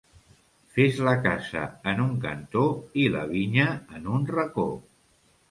Fes la casa en un cantó i la vinya en un racó.